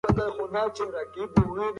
که ته پوهه ولرې خپلواک ژوند کوې.